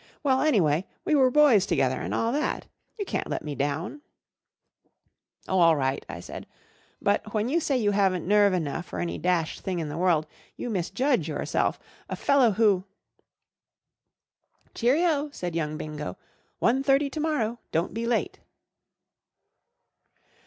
Well, anyway, we were boys together and all that. You can't let me down/ f ' Oh r all right," I said. " But, when you say you haven't nerve enough for any dashed tiling in the world, you misjudge yourself. A fellow who—— Jt *' Cheerio 1 " said young Bingo *' One thirty to morrow. Don't be late."